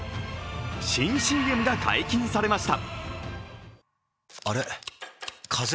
新ＣＭが解禁されました。